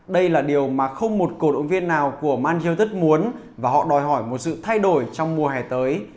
đây là điều mà không một cổ động viên nào của manchester united muốn và họ đòi hỏi một sự thay đổi trong mùa hè tới